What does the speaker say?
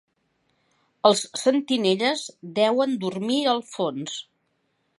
Els sentinelles deuen dormir al fons.